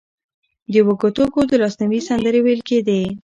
د وږو تږو د لاسنیوي سندرې ویل کېدې.